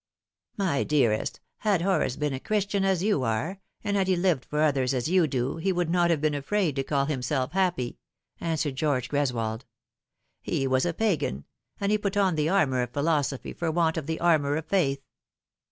" My dearest, had Horace been a Christian, as you are, and had he lived for others, as you do, he would not have been afraid to call himself happy," answered George Greswold. " He was a Pagan, and he put on the armour of philosophy for want of the armour of faith."